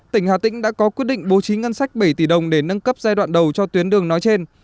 tỉnh hà tĩnh đã có quyết định bố trí ngân sách bảy tỷ đồng để nâng cấp giai đoạn đầu cho tuyến đường nói trên